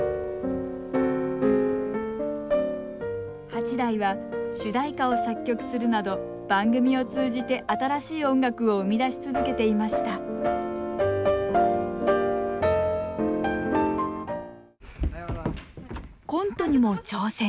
八大は主題歌を作曲するなど番組を通じて新しい音楽を生み出し続けていましたコントにも挑戦